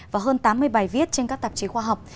và hơn tám mươi bài viết trên các tạp chí khoa học